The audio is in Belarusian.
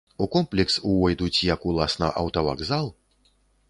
У комплекс увойдуць як уласна аўтавакзал.